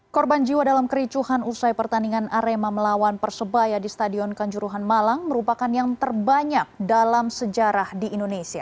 korban jiwa dalam kericuhan usai pertandingan arema melawan persebaya di stadion kanjuruhan malang merupakan yang terbanyak dalam sejarah di indonesia